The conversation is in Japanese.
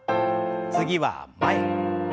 次は前。